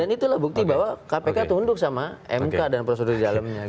dan itulah bukti bahwa kpk tunduk sama mk dan prosedur di dalamnya